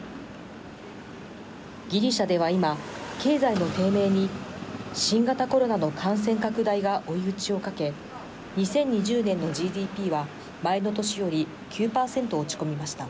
ギリシャでは今経済の低迷に新型コロナの感染拡大が追い打ちをかけ２０２０年のＧＤＰは前の年より９％落ち込みました。